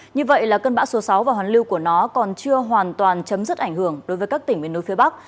như vậy là cơn bão số sáu và hoàn lưu của nó còn chưa hoàn toàn chấm dứt ảnh hưởng đối với các tỉnh miền núi phía bắc